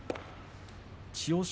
千代翔